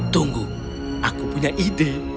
tunggu aku punya ide